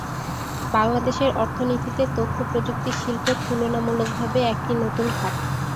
বাংলাদেশের অর্থনীতিতে তথ্যপ্রযুক্তি শিল্প তুলনামূলকভাবে একটি নতুন খাত।